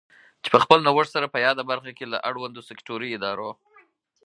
چې په خپل نوښت سره په یاده برخه کې له اړوندو سکټوري ادارو